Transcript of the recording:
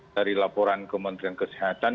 dari laporan kementerian kesehatan